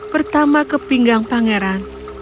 pertama ke pinggang pangeran